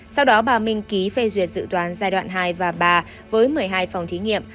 sau đó bà minh ký phê duyệt dự toán giai đoạn hai và ba với một mươi hai phòng thí nghiệm